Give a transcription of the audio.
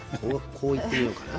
こういってみようかな。